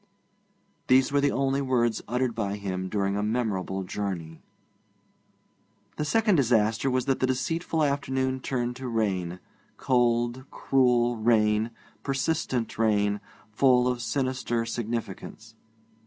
These were the only words uttered by him during a memorable journey. The second disaster was that the deceitful afternoon turned to rain cold, cruel rain, persistent rain, full of sinister significance.